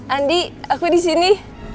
andi aku disini